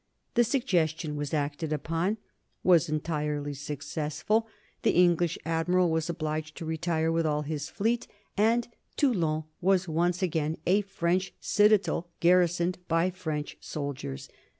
The suggestion was acted upon; was entirely successful; the English admiral was obliged to retire with all his fleet, and Toulon was once again a French citadel garrisoned by French soldiers.